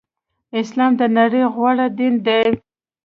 اسلام د نړی غوره دین دی.